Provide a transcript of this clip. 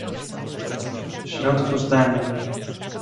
"W środku zdania."